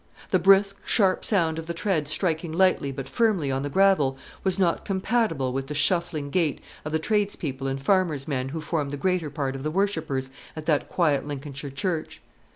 The brisk, sharp sound of the tread striking lightly but firmly on the gravel was not compatible with the shuffling gait of the tradespeople and farmers' men who formed the greater part of the worshippers at that quiet Lincolnshire church.